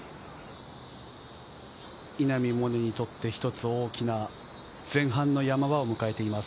稲見萌寧にとって、一つ大きな前半の山場を迎えています。